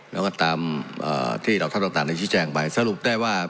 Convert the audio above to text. แล้วก็ตามที่เหล่าทัพต่างได้ชี้แจงไปสรุปได้ว่า